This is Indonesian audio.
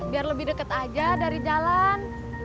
biar lebih deket aja dari jalan